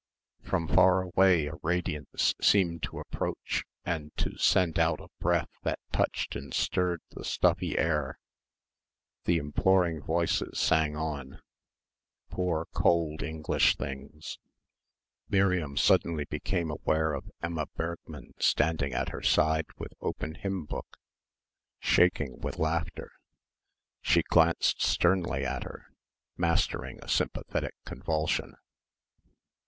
From far away a radiance seemed to approach and to send out a breath that touched and stirred the stuffy air ... the imploring voices sang on ... poor dears ... poor cold English things ... Miriam suddenly became aware of Emma Bergmann standing at her side with open hymn book shaking with laughter. She glanced sternly at her, mastering a sympathetic convulsion.